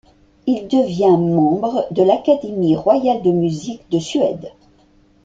Il devient membre de l'académie royale de musique de Suède.